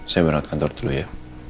saya berangkat kantor dulu ya